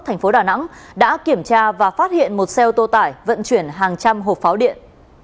thành phố đà nẵng đã kiểm tra và phát hiện một xe ô tô tải vận chuyển hàng trăm hộp pháo điện